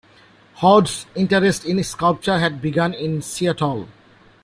Hord's interest in sculpture had begun in Seattle.